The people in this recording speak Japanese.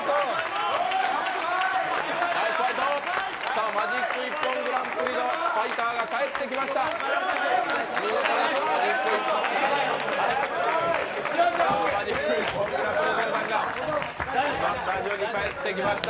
さあマジック一本グランプリのファイターが帰ってきました。